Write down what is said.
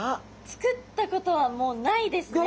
作ったことはもうないですね。